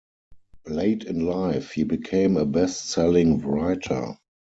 Late in life, he became a best-selling writer.